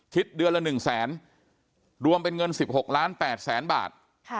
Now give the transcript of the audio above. คิดเดือนละ๑๐๐๐๐๐บาทรวมเป็นเงิน๑๖๘๐๐๐๐๐บาท